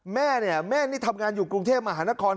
แม่เนี่ยแม่นี่ทำงานอยู่กรุงเทพมหานคร